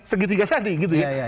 segitiga tadi gitu ya